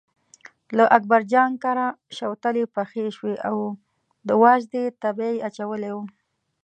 له اکبرجان کره شوتلې پخې شوې او د وازدې تبی یې اچولی و.